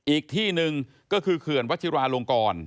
อีกที่หนึ่งก็คือเขื่อนวัชิราลงกร